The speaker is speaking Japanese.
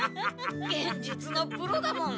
幻術のプロだもん。